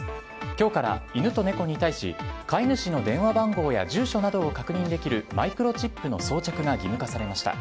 今日から犬と猫に対し飼い主の電話番号や住所などを確認できるマイクロチップの装着が義務化されました。